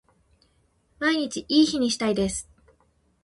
毎日いい日にしたいです